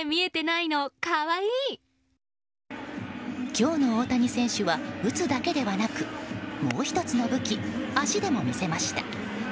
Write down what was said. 今日の大谷選手は打つだけではなくもう１つの武器足でも魅せました。